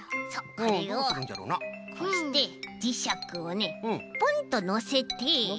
これをこうしてじしゃくをねポンとのせて。